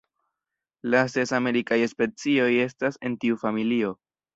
La ses amerikaj specioj estas en tiu familio.